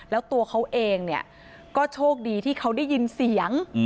แล้วตัวเขาเองเนี่ยก็โชคดีที่เขาได้ยินเสียง